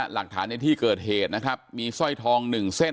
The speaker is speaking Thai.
หลักฐานในที่เกิดเหตุนะครับมีสร้อยทอง๑เส้น